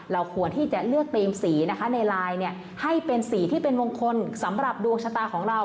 ควรที่จะเลือกทีมสีนะคะในลายให้เป็นสีที่เป็นมงคลสำหรับดวงชะตาของเรา